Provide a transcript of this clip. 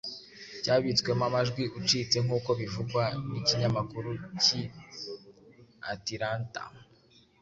cyabitswemo amajwi ucitse nkuko bivugwa n'ikinyamakuru cy'i Atilanta,